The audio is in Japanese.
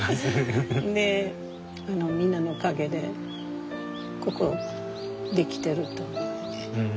みんなのおかげでここ出来てると思うんで。